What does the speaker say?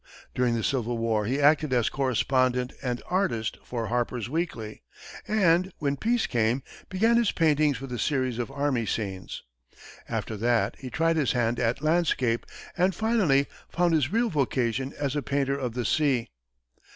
During the Civil War he acted as correspondent and artist for Harper's Weekly, and, when peace came, began his paintings with a series of army scenes. After that he tried his hand at landscape, and finally found his real vocation as a painter of the sea.